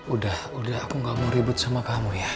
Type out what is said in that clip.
udah udah aku gak mau ribut sama kamu ya